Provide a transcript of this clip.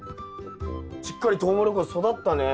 しっかりトウモロコシ育ったね。